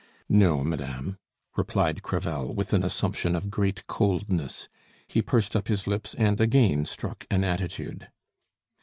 "No, madame," replied Crevel, with an assumption of great coldness. He pursed up his lips, and again struck an attitude.